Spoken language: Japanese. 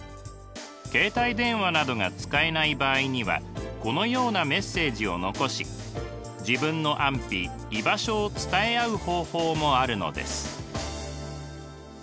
携帯電話などが使えない場合にはこのようなメッセージを残し自分の安否居場所を伝え合う方法もあるのです。